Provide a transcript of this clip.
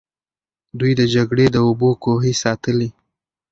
دوی د جګړې د اوبو کوهي ساتلې.